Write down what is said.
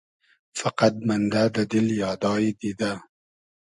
فئقئد مئندۂ دۂ دیل یادای دیدۂ